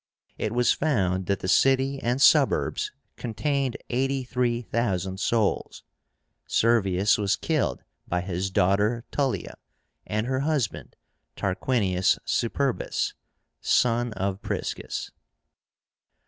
It was found that the city and suburbs contained 83,000 souls. Servius was killed by his daughter, Tullia, and her husband, Tarquinius Superbus, son of Priscus.